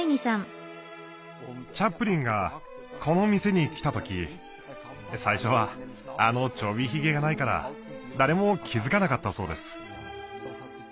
チャップリンがこの店に来た時最初はあのちょびヒゲがないから誰も気付かなかったそうです。